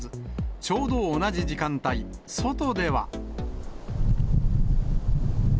ちょうど同じ時間帯、外では。